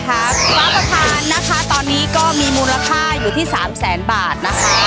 ฟ้าประธานนะคะตอนนี้ก็มีมูลค่าอยู่ที่๓แสนบาทนะคะ